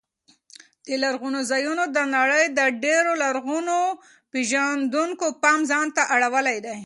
دې لرغونو ځایونو د نړۍ د ډېرو لرغون پېژندونکو پام ځان ته اړولی دی.